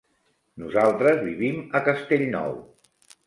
Nosaltres vivim a Castellnou.